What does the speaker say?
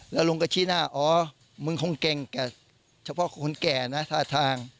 แล้วลุงก็ชี้หน้าอ๋อมึงคงเก่งแก่เฉพาะคนแก่นะท่าทาง